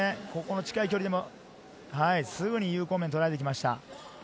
近い距離でも、すぐに有効面を取られてきました。